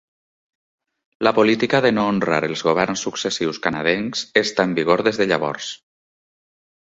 La política de no honrar els governs successius canadencs està en vigor des de llavors.